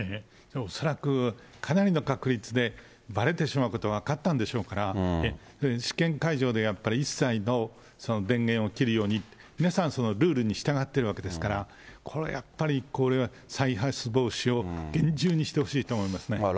恐らくかなりの確率でばれてしまうことが分かったんでしょうから、試験会場でやっぱり、一切の電源を切るように、皆さんルールに従っているわけですから、これはやっぱり再発防止を厳重にしてほしいと思いますね。